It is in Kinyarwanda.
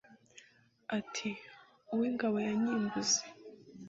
Ati :« Uw’ingabo ya Nyimbuzi